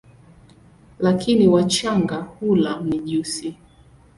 Lakini wachanga hula mijusi.